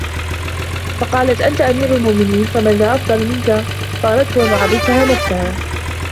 فَقَالَتْ أَنْتَ أَمِيرُ الْمُؤْمِنِينَ فَمَنْ ذَا أَفْضَلُ مِنْك فَأَرَدْتُ أَنْ أُعَرِّفَهَا نَفْسَهَا